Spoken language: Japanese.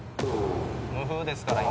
無風ですから今。